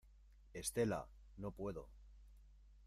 estela, no puedo.